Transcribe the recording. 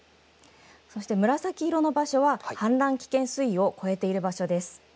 そして紫色の場所は氾濫危険水位を超えている場所です。